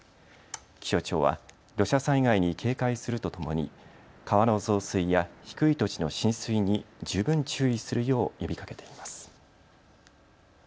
気象庁は土砂災害に警戒するとともに川の増水や低い土地の浸水に十分注意するよう呼びかけています。